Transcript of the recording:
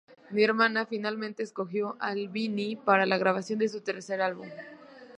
Nirvana finalmente escogió a Albini para la grabación de su tercer álbum.